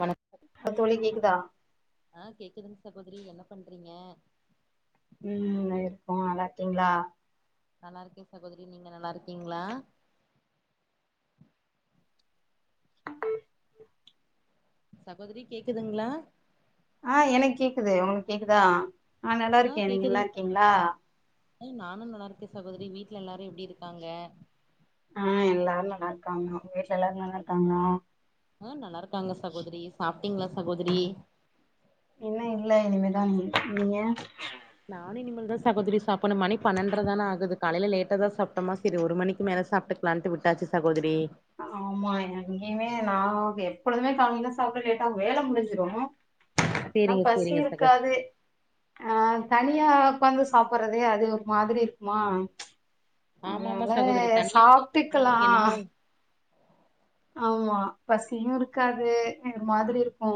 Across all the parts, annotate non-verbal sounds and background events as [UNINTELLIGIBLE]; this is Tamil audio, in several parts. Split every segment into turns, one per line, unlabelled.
வணக்கம்
இப்ப தோழி கேக்குதா
ஆ கேக்குது சகோதரி என்ன பண்றீங்க
திங்ளா
நல்லா இருக்கே சகோதரி நீங்க நல்லா இருக்கீங்ளா சகோதரி கேக்குதுங்ளா
ஆ, எனக் கேக்குது உங்களுக் கேக்குதா ஆ நல்லா இருக்கே, நீங்க நல்லாயிருக்கீங்ளா
ஆ நானு நல்லாருக்கே சகோதரி வீட்டுல எல்லாரு எப்டி இருக்காங்க
ஆ எல்லாரு நல்லாருக்காங்க உங்க வீட்டுல எல்லாரு நல்லாருக்காங்ளா
அ நல்லாருக்காங்க சகோதரி சாப்ட்டீங்ளா சகோதரி
இன்னு இல்ல இனிமேதா நீ நீங்க
நானு இனிமேல் தா சகோதரி சாப்பணு மணி பன்னெண்ட்ர தானே ஆகுது காலைல லேட்டா தா சாப்ட்டம்மா செரி ஒரு மணிக்கு மேல சாப்ட்டுக்கலான்ட்டு விட்டாச்சு சகோதரி
ஆமா எங்கயுமே நா எப்பொழுதுமே காலைல சாப்ட லேட்டாகு வேல முடிஞ்சுரு. ஆனா
சேரிங்க
பசி
சேரிங்க சகோ
இருக்காது ஆ தனியாக் உக்காந்து சாப்புறதே அது ஒரு மாதிரி இருக்குமா ம்ச்
ஆமா ஆமா
அதனால
சகோதரி தனியா உக்காந்து
சாப்ட்டுக்கலா
சாப்டும்போது என்னமோ
ஆமா பசியு இருக்காது ஒரு மாதிரி இருக்கு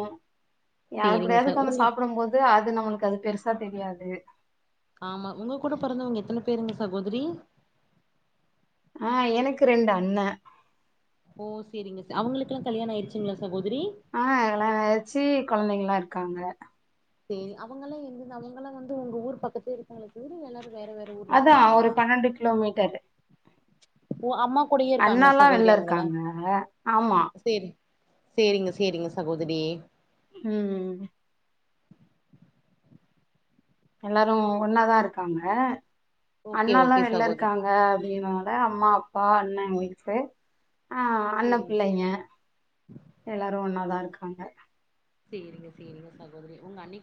யார்
சேரிங்க ச
கூடயாது ஒக்காந்து
உங்க
சாப்டும் போது அது நம்மளுக்கு அது பெருசா தெரியாது
ஆமா உங்க கூட பொறந்தவங்க எத்தன பேருங்க சகோதரி
ஆ எனக்கு ரெண்டு அண்ண
ஓ செரிங்க செ அவங்களுக்கெல்லா கல்யாணோ ஆயிருச்சிங்ளா சகோதரி
ஆ கல்யாண ஆயிடுச்சு கொழந்தைங்கல்லா இருக்காங்க
செரி அவங்கல்லா எங்க அவங்கல்லா வந்து உங்க ஊர் பக்கத்லே இருக்காங் [UNINTELLIGIBLE]
அதா ஒரு பன்னெண்டு கிலோமீட்டர்ரு
ஓ அம்மா கூடயே இருக்காங்ளா சகோதரி
வெள்ல
அவங்கல்லா
இருக்காங்க ஆமா
செரிங் சேரிங்க சேரிங்க சகோதரி
ம்ம் எல்லாரு ஒண்ணா தா இருக்காங்க.
ஓகே
அண்ணல்லா
ஓகே
வெள்ல
சகோதரி
இருக்காங்க அப்டினால அம்மா அப்பா அண்ண வைஃப்பு ஆ, அண்ண
சேரி
பிள்ளைங்க எல்லாரு ஒண்ணா தா இருக்காங்க
செரிங்க செரிங்க சகோதரி உங்க அண்ணிக்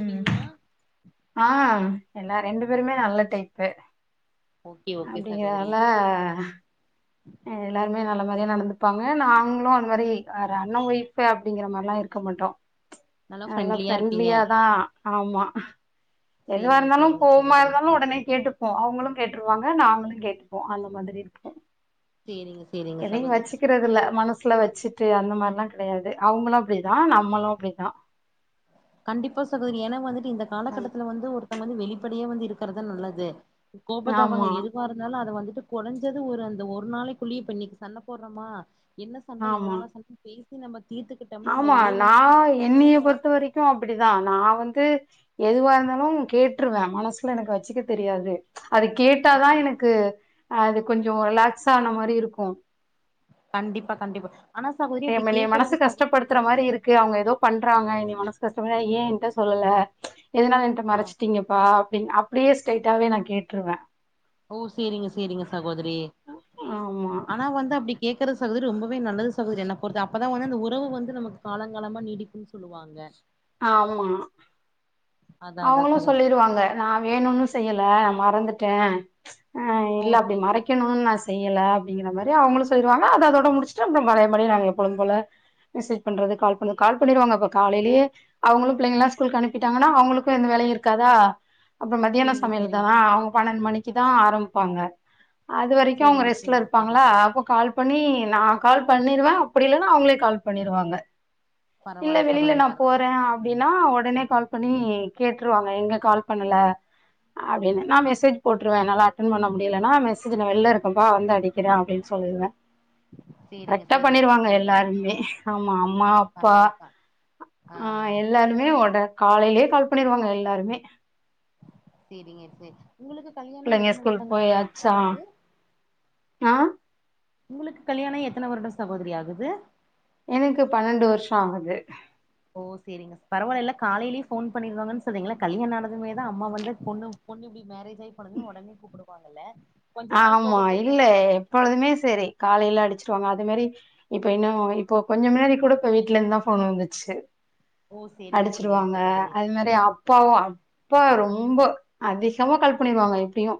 உம் ஆ, எல்லா ரெண்டு பேருமே நல்ல டைப்பு
ஓகே ஓகே சகோதரி
அப்டிங்கறதால எல்லாருமே நல்ல மாரியா நடந்துப்பாங்க நாங்ளு அது மாரி அண்ணா வைஃப்பு அப்டிங்கற மார்லா இருக்க மாட்டோ
நல்லா
நல்ல
ஃப்ரெண்ட்லியா இருப்பீங்க
ப்ரெண்ட்லியாதா ஆமா எதுவா
சேரிங்க
இருந்தாலு
சேரிங்க
கோவமா
சகோதரி
இருந்தாலு ஒடனே கேட்டுப் ஓ அவங்களு கேட்ருவாங்க நாங்களு கேட்டுப்போ அந்த மாதிரி இருக்கு
சேரிங்க சேரிங்க
எதையு
சகோதரி
வச்சுக்கறதில்ல மனஸ் சுல வச்சுட்டு அந்த மார்லா கெடையாது அவங்களு அப்டி தா நம்மளு அப்டி தா
கண்டிப்பா சகோதரி ஏன்னா வந்துட்டு இந்த காலகட்டத்துல வந்து ஒருத் தங்க வெளிப்படையா வந்து இருக்கறது நல்லது கோப
ஆமா
தபங்கள் எதுவா இருந்தாலு அத வந்துட் கொறஞ்சது ஒரு அந்த ஒரு நாளைக்குள்ளேயே இப்ப இன்னிக்கு சண்ட போடுறமா என்ன சண்ட
ஆமா
எதனால சண்டனு பேஸ் சி நம்ம தீத்துக்கிட்டோம்னா அந்த உறவு வந்து நமக்கு காலங் காலமா இருக்
கு அப்டிதா நா வந்து எதுவா இருந்தாலு கேட்ருவே மனசுல எனக்கு வச்சுக்க தெரியாது. அது கேட்டா தா எனக்கு அ அது கொஞ்சோ ரிலாக்ஸ் ஆன மாரி இருக்கு.
கண்டிப்பா கண்டிப்பா ஆனா சகோதரி அப்டி
[UNINTELLIGIBLE] என் மனசு
கேக்குறது சகோதரி
கஷ்டப்படுத்துற மாரி இருக்கு அவங்க ஏதோ பண் ட்றாங்க என்னைய மனசு கஷ்ட [UNINTELLIGIBLE] ஏன் என்ட சொல்லல ம்ச் எதனால என்ட
ஆ
மறச்சிட்டீங்கப்பா அப்டினு அப் அப்டியே ஸ்டைட்டாவே நா கேட்ருவே.
ஓ சேரிங்க சேரிங்க சகோதரி
ஆமா
ஆனா வந்து அப்டி கேக் க்கறது சகோதரி ரொம்பவே நல்லது சகோதரி என்ன பொருத்த அப்ப தா வந்து அந்த உறவு வந்து நமக்கு காலங்காலமா நீடிக்கும்னு சொல்லுவாங்க
ஆமா
அதா அதா
அவுங்களு
சகோ
சொல்லிருவாங்க நா வேணும்னு செய்யல மறந்துட்டே ஆ
ஓ
இல்ல அப்டி
சேரி
மறைக்கணோனு நா செய்யல அப்டீங்குற மாரி அவுங்களோ சொல்லிருவாங்க அதது அதோட முடிச்சுட்டு அப்றோ பழயப்படி நாங்க எப்பொழுது போல மெசேஜ் பண்றது கால் பண்றது கால் பண்ணிருவாங்கப்ப காலைலயே அவுங்களு பிள்ளைங்கலா ஸ்கூல்க்கு அனுப்பிட்டாங்னா அவுங்குளுக் வீட்ல எந்த வேலயு இருக்காதா அப்புறோ மதியான
சேரிங்க
சமயல்
சேரிங்க
தா அவுங் பன்னெண்டு மணிக்கு தா ஆரம்பிப்பாங்க அது வரைக்கோ அவுங்க
சேரிங்க
ரெஸ்ட்ல
சேரிங்க
இருப்பாங்ளா
சகோதரி
அப்ப கால் பண்ணி நா கால் பண்ணிருவே அப்டி இல்லன்னா அவுங்களே கால் பண்ணிருவாங்க இல்ல
பரவால்ல
வெளில
சகோதரி
நா
பரவால்ல
போறே அப்டீன்னா உடனே கால் பண்ணி கேட்ருவாங்க எங்க கால் பண்ணல அப்டீன்னு மெசேஜ் போட்ருவ என்னால அட்டன் பண்ண முடியலன்னா மெசேஜ் நா வெள்ள இருக்கேன்ப்பா வந்து அடிக்குற அப்டின்னு சொ ல்வே
சேரிங்க
கரெக்டா
சேரிங்க
பண்ணிருவாங்க
சகோதரி
எல்லாருமே ஆமா அம்மா அப்பா
பரவால்லப்பா
ஆ எல்லாருமே ஒட காலைலயே கால் பண்ணிருவாங்க எல்லாருமே
செரிங்க செரி உங்குளுக்கு கல்யாணாய்
பிள்ளைங்க
எத்தன
ஸ்கூல்
வருடங்கள் சகோதரி
போயாச்சா
ஆகுது
ஆ
உங்குளுக்கு கல்யாணாய் எத்தன வருடோ சகோதரி ஆகுது
எனக்கு பன்னெண்டு வர்ஷோ ஆகுது
ஓ செரிங்க பரவால எல்லா காலைலயே ஃபோன் பண்ணிருவாங்கன்னு சொல்றீங்கல கல்யாணோ ஆனதுமேதா அம்மா வந்து பொண்ணு பொண்ணு இப்டி மேரேஜ் ஆய் போனதுமே ஒடனே கூப்புடுவாங்கல்ல கொஞ்ச நாள் போக
ஆமா
போக
இல்ல
வந்து பழகி
எப்பொழுதுமே செரி காலைல அடிச்சிருவாங்க இந்த மாரி இப்ப இன்னோ இப்போ கொஞ்சோ முன்னாடி கூட இப்ப வீட்ல இந்துதா ஃபோன் வந்துச்சு
ஓ சேரிங்க சேரிங்க
அடிச்சிருவாங்க
சகோதரி
அது மேரி அப்பாவு அப் பா ரொம்போ அதிகமா கால் பண்ணிடுவாங்க எப்டியு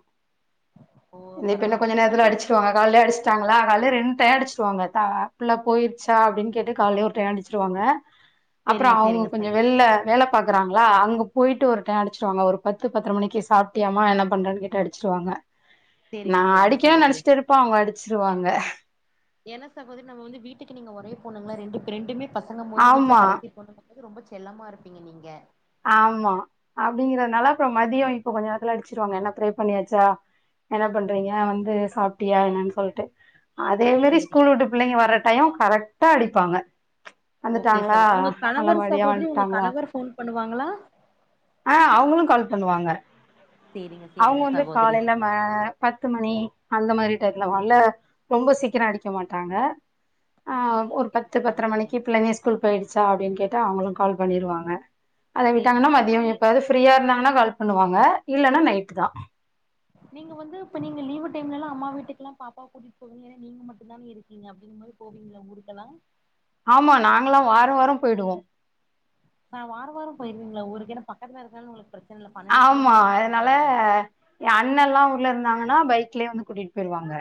ஓ
இந்த இப்ப இன்னோ
பரவால்ல
கொஞ்ச
நீங்க
நேரத்துல
வந்து
அடிச்சுருவாங்க கால்யே அடிச்சுட்டாங்களா காலைலயே ரெண்ட் டயோ அடிச்ருவாங்க த புள்ள போயிருச்சா அப்டின்னு கேட்டு காலையே ஒர் டயோ அடிச்ருவாங்க அப்றோ
சேரிங்க
அவுங்க
சேரிங்க
கொஞ்சோ
ச
வெள்ல வேலப் பாக்குறாங்களா அங்க போயிட்டு ஒர் டயோ அடிச்ருவாங்க ஒரு பத்து பத்தர மணிக்கு சாப்ட்டியாமா என்ன பண்றன்னு கேட்டு அடிச்ருவாங்க நா
சேரிங்க சேரிங்க
அடிக்கனோனு
சகோதரி
நெனச்சுட்டு இருப்பே அவுங்க அடிச்ருவாங்க
என்ன சகோதரி நம்ம வந்து வீட்டுக்கு நீங்க ஒரே பொண்ணுங்குளா ரெண்டு ரெண்டுமே பசங்கம் போது வீட்ல
ஆமா
கடசி பொண்ணு அதாவது ரொம்ப செல்லமா இருப்பீங்க நீங்க
ஆமா அப்டிங்கறதுனால அப்புறோ மதியோ இப்ப கொஞ்சோ நேரத்துல அடிச்ருவாங்க என்ன ப்ரை பண்ணியாச்சா என்ன பண்றீங்க வந்து சாப்ட்டியா என்னன்னு சொல்ட்டு அதே மேரி
சேரி
ஸ்கூல் வுட்டு பிள்ளைங்க வர்ர டயோ கரெக்ட்டா அடிப்பாங்க
ஓகே
வந்துட்டாங்களா
சகோ உங்க கணவர்
நல்லபடியா
சகோதரி உங்க கணவர் ஃபோன் பண்ணுவாங்களா
அ அவுங்களு கால் பண்ணுவாங்க
சேரிங்க
அவுங்க
சேரிங்க
வந்து
சகோதரி
காலைல ம பத்து மணி அந்த மாதிரி டைம்ல வல்ல ரொம்ப சீக்கிரோ அடிக்க மாட்டாங்க
ஓ
ஆ
சேரிங்க
ஒரு
சேரிங்க
பத்து பத்தர
சகோதரி
மணிக்கு பிள்ளைங்க ஸ்கூல் போய்டுச்சா அப்டின்னு கேட்டு அவுங்களு கால் பண்ணிருவாங்க அத விட்டாங்கன்னா
செரிங்க அம்மா
மதியோ
வீட்டு
எப்பாவது ஃப்ரீயா இருந்தாங்கனா கால் பண்ணுவாங்க இல்லன்னா நைட்டுதா
நீங்க வந்து இப்ப நீங்க லீவு டைம்லல்லா அம்மா வீட்டுக்குலா பாப்பாவ கூட்டிட்டு போவீங்கல நீங்க மட்டும்தா இருக்கீங்க அப்டீன் இதுமாரி போவீங்களா ஊருக்கெலா
ஆமா நாங்கலா வாரோ வாரோ போய்டுவோ
நா வாரோ வாரோம் போயிருவீங்களா ஊருக்கு ஏன்னா பக்கத்துல இருக்குறனால உங்குளுக்கு பிரச்
ஆமா அதனால என் அண்ணலா ஊர்லந் வந்தாங்கன்னா பைக்லயே வந்து கூட்டிட்டு போய்ருவாங்க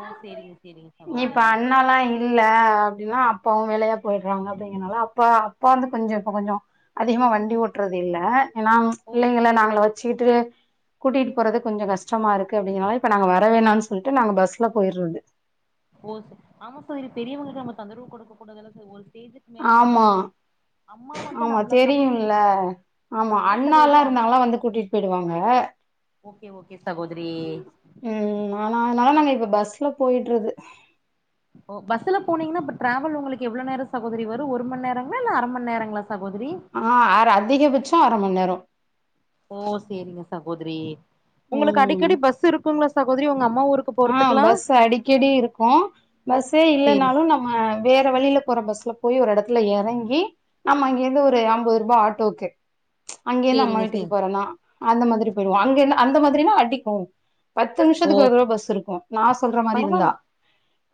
ஓ சேரிங்க சேரிங்க
இப்ப
சகோதரி
அண்ணாலா இல்ல அப்டின்னா அப்பாவு வேலயா போய்டுறாங்க அப்டிங்கனால அப்பா அப்பா வந்து கொஞ்ச இப்ப கொஞ்சோ அதிகமா வண்டி ஓட்றது இல்ல ஏனா
ஓ
பிள்ளைங்கள நாங்களே வச்சுக்கிட்டு கூட்டிட்டு போறது கொஞ்ச கஷ்டமா இருக்கு ‌அப்டிங்குறனால இப்ப நாங்க வர வேணான்னு சொல்ட்டு நாங்க பஸ்ல போயிறது
ஓ செர் ஆமா சகோதரி பெரியவங்களுக்கு நம்ம தொந்தரவு குடுக்க கூடாதுல சகோ ஒரு ஸ்டேஜ்க்கு மேல
ஆமா
நம்மளே வந்து அம்மா வந்து
ஆமா
நம்பள
தெரியும்ல
[INAUDIBLE] அ
ஆமா
இல்ல சகோதரி
அண்ணாலா
அம்மா
இருந்தாங்களா வந்து கூட்டிட்டு போயிடுவாங்க
ஓகே ஓகே சகோதிரி
ம் ஆனா அதனால நாங்க இப்ப பஸ்ல போயிடுறது
ஓ பஸ்ல போனீங்கன்னா அப்ப டிராவல் உங்குளுக்கு எவ்ளோ நேரோ சகோதரி வரும் ஒரு மண்ணேரங்களா இல்ல அர மண்ணேரங்களா
அ அர் அதிகபட்ச அர மண்ணேரோ
ஓ சேரிங்க சகோதரி உங்குளுக்கு
ம்
அடிக்கடி பஸ் இருக்குங்களா சகோதரி உங்க அ
ஆ பஸ் அடிக்கடி இருக்கு பஸ்ஸே
சேரி
இல்லேனாலு நம்ம வேற வழியில போற பஸ்ல போய் ஒரு இடத்துல இறங்கி நம்ம அங்கேருந்து ஒரு அம்பது ரூபா ஆட்டோக்கு அங்கேருந்து அம்மா
சேரிங்க
வீட்டுக்கு
சேரி
போறேனா அந்த மாதிரி போயிருவோ அங்க அந்த மாதிரினா ‌ஆன்டிக் கோவோ பத்து நிமிஷத்துக்கு ஒரு தடவ பஸ் இருக்கு நா சொல்ற மாரி
பரவால
இருந்தா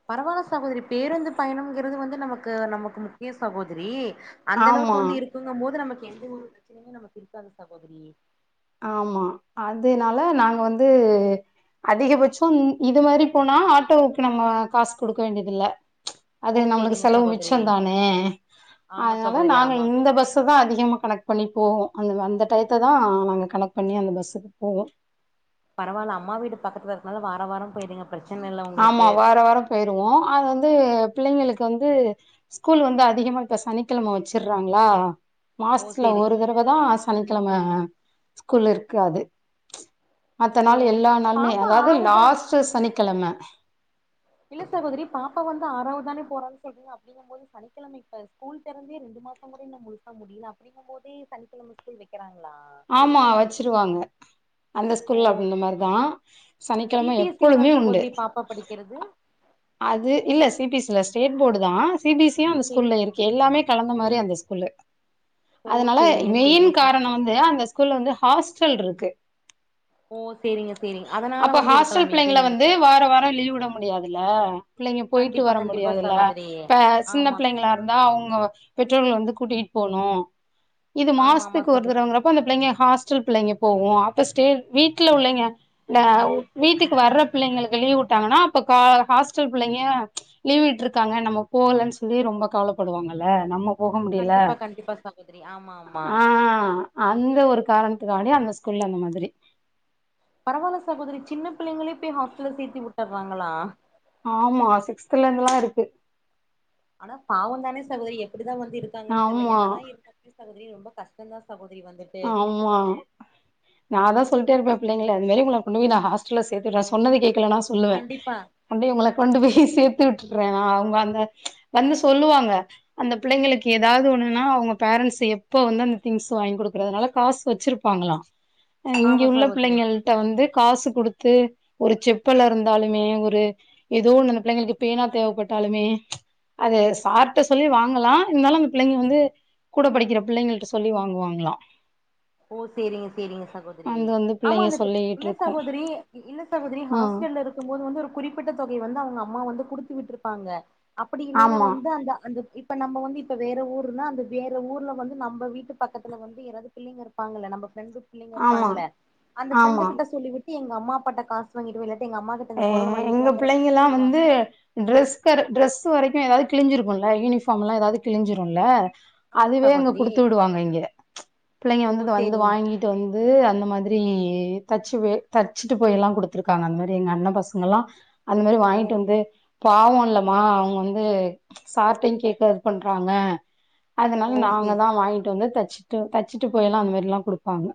பரவால்ல சகோதரி பேருந்து பயணம்ங்குறது வந்து நமக்கு க நமக்கு முக்கிய சகோதரி
ஆமா
அந்தளவுக்கு வந்து இருக்குங்கம்போது நமக்கு எந்த ஒரு பிரச்சனையுமே‌ நமக்கு இருக்காது சகோதரி
ஆமா அதுனால நாங்க வந்து அதிகபட்சம் இது மாரி போனா ஆட்டோவுக்கு நம்ம காசு குடுக்க வேண்டியதில்ல அது
ஓ
நம்முளுக்கு
சேரிங்க
செலவு
சகோதரி
மிச்சந்தானே
ஆமா
அதுனால
சகோதரி
நாங்க
ஆமா ஆமா
இந்த பஸ்ஸதா அதிகமா கனெக்ட் பண்ணி போவோ அந்த அந்த டைத்ததா நாங்க கனெக்ட் பண்ணி அந்த பஸ்ஸுக்கு போவோ
பரவால அம்மா வீடு பக்கத்துல இருக்குறனால வார வாரம் போயிறீங்க
ஆமா வார வாரம் போயிருவோ அது வந்து பிள்ளைங்களுக்கு வந்து ஸ்கூல் வந்து அதிகமா இப்ப சனிக்கிழம வச்சுறாங்களா
ஓ
லாஸ்ட்ல
சேரி
‌ஒரு தடவதா சனிக்கிழம ஸ்கூல் இருக்காது மத்த
ஓ
நாள் எல்லா நாளுமே
பாப்பா
அதாவது
ஆறாவதுதான்
லாஸ்ட்டு சனிக்கிழம
இல்ல சகோதரி பாப்பா‌ வந்து ஆறாவது தானே போறானு சொன்னீங்க அப்டிங்கும்போது சனிக்கிழம இப்ப ஸ்கூல் திறந்தே ரெண்டு ஒரு மாசம் கூட இ‌ன்னு முழுசா முடில அப்டிங்கும் போதே சனிக்கிழம ஸ்கூல் வைக்கிறாங்க
ஆமா வச்சிருவாங்க அந்த
ஓ
ஸ்கூல்ல அப்டி இந்த மாரிதா
சி
சனிக்கிழம
பி எஸ் சி ங்களா
எப்பொழுமே உண்டு
சகோதரி பாப்பா படிக்கிறது
அது இல்ல சிபிசி ல்ல ஸ்டேட் போர்டுதா சிபிசியு அந்த
சேரி
ஸ்கூல்ல இருக்கு எல்லாமே கலந்த மாரி அந்த ஸ்கூல்லு
ஓ
அதனால
சேரிங்க
மெயின்
சேரிங்க
காரணோ
சகோதரி
வந்து அ ங்க ஹாஸ்டல் இருக்கு
ஓ சேரிங்க சேரிங்க அதனால
அப்ப
வந்து இருக்கலா
ஹாஸ்டல்
மேபி
பிள்ளைங்கள வந்து
வந்துட்டு
‌வார வாரம் லீவ் விட முடியாதுல்ல பிள்ளைங்க போயிட்டு
கண்டிப்பா
வர
கண்டிப்பா
முடியாதுல
சகோதரி
இப்ப சின்ன
ஆமா
பிள்ளைங்களா இருந்தா அவுங்க பெற்றோர்கள் வந்து கூட்டிட்டு போனு இது
ஆமா ஆமா
மாசத்துக்கு ஒரு
சகோதரி
தடவங்குற ஹாஸ்டல் பிள்ளைங்க போவு அப்ப ஸ்டேட் வீட்ல உள்ளைங்க வீட்டுக்கு வர்ற பிள்ளைங்களு லீவ் விட்டாங்கன்னா அப்ப கா ஹாஸ்டல் பிள்ளைங்க லீவ் விட்டுருக்காங்க நம்ம போலன்னு சொல்லி ரொம்ப கவல படுவாங்கல்ல நம்ம போக முடியல
கண்டிப்பா கண்டிப்பா சகோதிரி ஆமா ஆமா
இந்த ஒரு காரணத்துக்காவண்டி அந்த ஸ்கூல்ல அந்த மாரி
பரவால சகோதரி சின்ன பிள்ளைங்கள போய் ஹாஸ்டல்ல சேத்தி விட்டுறாங்களா
ஆமா சிக்ஸ்த்ல இருந்தெல்லா இருக்கு
ஆனா பாவம் தானே சகோதரி எப்டிதா வந்து இருக்காங்கன்னு தெர்ல
ஆமா
என்னதா இருந்தாலுமே சகோதரி ரொம்ப கஷ்டந்தா சகோதரி வந்துட்டு
ஆமா நா தா சொல் லிட்டே இருப்பே பிள்ளைங்கள இது மாரி உங்கள கொண்டு போய் நா ஹாஸ்டல்ல சேத்துடுறே சொன்னத கே க்கலேனா நா சொல்லுவே
கண்டிப்பா
அப்டியே உங்கள கொண்டு போய் சேத்து வீட்ல விட்டுற்றே அவுங்க ‌அந்த வந்து சொல்லுவாங்க அந்த பிள்ளைங்களுக்கு ஏதாவது ஒண்ணுன்னா அவுங்க பேரண் பேரன்ஸ் எப்ப வந்து அந்த தி்ங்ஸ் வாங்கி் குடு குரதுனால காஸ் வச்சுருப்பாங்களா அ இங்க
ஆமா
உள்ள
சகோதரி
பிள்ளைங்கள்ட்ட வந்து காசு குடு த்து ஒரு செப்பலா இருந்தாலுமே ஒரு எதோ ஒண்ணு அந்த பிள்ளைங்களுக்கு பேனா தேவப்பட்டாலுமே அது சார்ட்ட சொல்லி வாங்கலா இருந்தாலு அந்த பிள்ளைங்க வந்து கூட படிக்கிற பிள்ளைங்கள்ட்ட சொல்லி வாங்குவாங்கலா
ஓ சேரிங்க சேரிங்க சகோதிரி
அது வந்து
ஆமா
பிள்ளைங்க
அந்த இப்ப
சொல்லிட்டு
இல்ல
இருக்கும்
சகோதிரி இல்ல சகோதிரி
ஆ
ஹாஸ் டல்ல இருக்கும் போது வந்து ஒரு குறிப்பிட்ட தொகை வந்து அவுங்க அம்மா வந்து குடுத்து விட்டுருப்பாங்க அப்டி இல்லேன்ன
ஆமா
வந்து அந்த அந்த இப்ப நம்ம வந்து இப்ப வேற ஊருன்னா அந்த வேற ஊர்ல வந்து நம்ம வீட்டு பக்கத்துல வந்து ஏதாவது பிள்ளைங்க இருப்பாங்கள்ள நம்ம ஃப்ரண்டு பிள்ளேங்க
ஆமா
இருப்பாங்கல்ல அந்த ஃப்ரண்டு
ஆமா
கிட்ட சொல்லிவிட்டு எங்க அம்மா அப்பாட்ட காசு வாங்கிட்டு வா இல்லாட்
எ எங்க பிள்ளைங்கல்லா வந்து
சொல்லுவாங்க
ட்ரஸ் கட ட்ரஸ் வரைக் ஏதாவது கிழிஞ்சுருக்குல யூனிஃபாம்லா ஏதாவது கிழிஞ்சுரூல
ஆமா
அதுவே இங்க
சகோதரி
குடுத்து விடுவாங்க இங்க பிள்ளைங்க
ஓ
வந்து இத வந்து
சேரிங்க
வாங்கிட்டு வந்து அந்த மாதிரி இ தச்சு வெ தச்சுட்டு போயல்லா குடுத்துருக்காங்க அந்த மாரி எங்க அண்ணெ பசங்கல்லா அந்த மாரி
ஓ
வாங்கிட்டு வந்து பாவோ இல்லமா அவுங்க வந்து சாப்ட்டேன் கேக்க இது பண்றாங்க அதுனால
ஓ சேரி
நாங்க தா வாங்கிட்டு வந்து தச்சுட்டு தச்சுட்டு போயல்லா அந்த மாரில்லா குடுப்பாங்க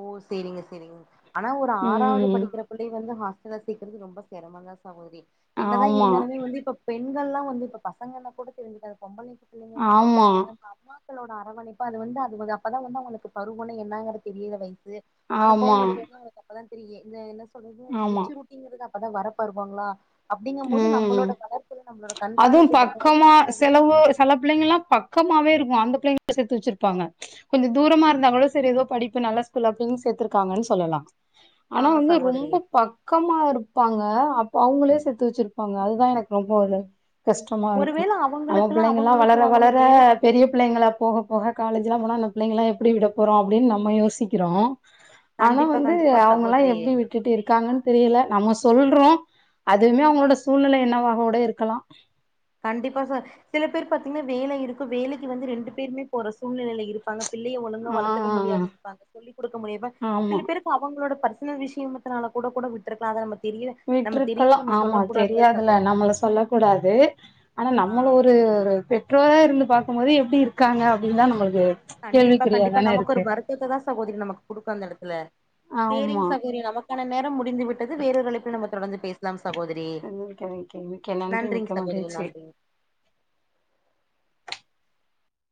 ஓ சேரிங்க சேரிங்க ஆனா ஒரு ஆறாவது
ம்
படிக்கிற புள்ளய வந்த ஹா ஹாஸ்டல்ல சேக்றது ரொம்ப செரமொ தா சகோதிரி என்னதா
ஆமா
இருந்தாலுமே வந்து இப்ப பெண் ண்கல்லா வந்து இப்ப பசங்கனா கூட தெரிஞ்சுகாது பொம்பளக்கி பிள்ளேங்கங்கபோது
ஆமா
நம்ப அம்மா [UNINTELLIGIBLE] அரவணைப்பு அது வந்து அது அப்பதா வந்து அவுங்களுக்கு பருவொனே என்னாங்கிற தெரியிர வய்சு சு
ஆமா
அனுபவங்கறது வந்து அவுங்களுக்கு அப்பதா தெரியி இந்த என்ன சொல்றது
ஆமா
மெச்சூரிட்டிங்கிறது அப் அப்பதா வரப் பருவாங்ளா அப்டிங்கம் போது
ம்
நம்மளோட கடற்குல் நம்மளோட
அதுவு
கண்காணிப்பு இப்ப
பக்கமா
கல்லூரி பகுதி
[UNINTELLIGIBLE] வே இருக்கு அந்த பிள்ளைங்க சேத்து வச்சுருப்பாங்க கொஞ்ச தூரமா இருந்தா கூட சரி எதோ படிப்பு நல்ல ஸ்கூல் அப்டின் சேத்துருக்காங்கன் சொல்லலா ஆனா
ஆமா
வந்து
சகோதரி
ரொம்ப பக்கமா இருப்பாங்க அப்ப அவுங்களே சே த்து வச்சுருப்பாங்க அதுதா எனக்கு ரொம்ப இது கஷ்டமா இருக்கு
ஒருவேள
நம்ம
அவங்களுக்குல்லா
பிள்ளைங்கலா
அவங்களுக்கு
வளர
அவங்க
வளர
வேலை
பெரிய பிள்ளைங்களா போக போக காலேஜ் லா போனா நம்ம பிள்ளைங்களா எப்டி விட போறோ அப்டின் நம்ம யோசிக்கிறோ ஆனா
கண்டிப்பா
வந்து
கண்டிப்பா
அவுங்கல்லா
சகோதரி
எப்டி விட்டுட்டு இருக்காங்கன் தெரில நம்ம சொல்றோ அ அதுவுமே அவுங்களோட சூழ்நிலை என்னவாக கூட இருக்கலா
கண்டிப்பா சார் சில பேர் பாத்தீங்கன்னா வேலை இருக்கு வேலைக்கு வந்து ரெண்டு பேருமே போற சூழ்நிலேல இருப்பாங்க பிள்ளைய ஒழுங்கா
ஆ
வளத்துக்க முடியாது இருப்பாங்க சொல்லி குடுக்க முடியாம
ஆமா
சில பேருக்கு அவங்களோட பர் னல் விஷயமத்னால கூட கூட விட்ருக்கலா அத நம்ம தெரிய நம்ம
விட்றுக்கலா
தெரியாம நம்ம
ஆமா
சொல்ல கூடாதுல
தெரியாதுல
சகோதரி
நம்மள சொல்ல கூடாது ஆனா
ஆ
நம்மள ஒரு ஒரு பெற்றோரா இருந்து பாக்கும் போது எப்டி இருக்காங்க அப்டின்னு தா நம்ம
கண்டிப்பா கண்டிப்பா நமக்கு ஒரு வருத்தத்த தா சகோதிரி நமக்கு குடுக்கு அந்த எடத்துல சேரிங்
ஆமா
சகோதிரி நமக்கான நேரம் முடிந்து விட்டது வேரொர் அழைப்பில் நம்ம தொடர்ந்து பேஸ்லாம் சகோதிரி
மிக்க மிக்க மிக்க நன்றி
நன்றிங்
மிக்க
சகோதிரி
மகிழ்ச்சி
நன்றிங் [UNINTELLIGIBLE]